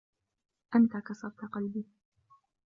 أنتَ كسرتَ قلبي.